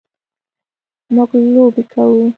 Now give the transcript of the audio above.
مونږ لوبې کوو